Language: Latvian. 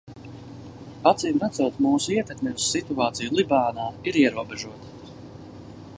Acīmredzot mūsu ietekme uz situāciju Libānā ir ierobežota.